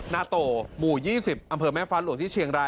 นาโตหมู่๒๐อำเภอแม่ฟ้าหลวงที่เชียงราย